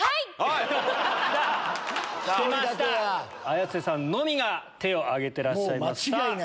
綾瀬さんのみが手を挙げてらっしゃいます。